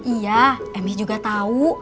iya emi juga tau